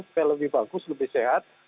supaya lebih bagus lebih sehat